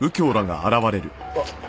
あっ！